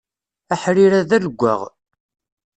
Aḥrir-a d alewwaɣ.